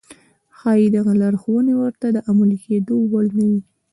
ښايي دغه لارښوونې ورته د عملي کېدو وړ نه وي.